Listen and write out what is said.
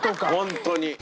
本当に。